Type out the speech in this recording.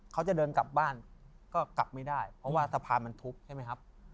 เขาจะเดินกลับบ้านก็กลับไม่ได้เพราะว่าสะพานมันทุบใช่ไหมครับ